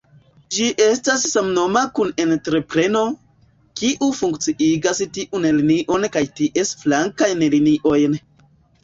Ĝi estas samnoma kun entrepreno, kiu funkciigas tiun linion kaj ties flankajn liniojn.